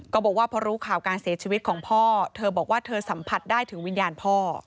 บอกว่าพอรู้ข่าวการเสียชีวิตของพ่อเธอบอกว่าเธอสัมผัสได้ถึงวิญญาณพ่อ